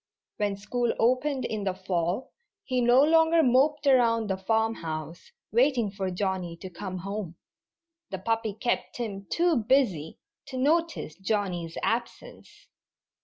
When school opened in the fall he no longer moped around the farmhouse, waiting for Johnnie to come home. The puppy kept him too busy to notice Johnnie's absence.